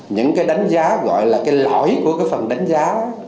những cái đánh giá gọi là cái lỗi của cái phần đánh giá